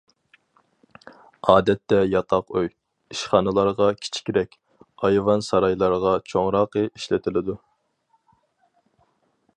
ئادەتتە ياتاق ئۆي، ئىشخانىلارغا كىچىكرەك، ئايۋان-سارايلارغا چوڭراقى ئىشلىتىلىدۇ.